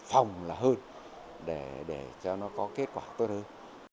phòng là hơn để cho nó có kết quả tốt hơn